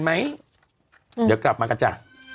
ไหมอืมเดี๋ยวกลับมากันจ้ะ